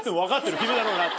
君だろうなって。